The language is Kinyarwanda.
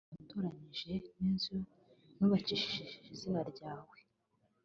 n’umurwa watoranyije, n’inzu nubakiye izina ryawe,